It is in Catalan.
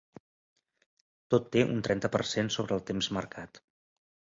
Tot té un trenta per cent sobre el temps marcat.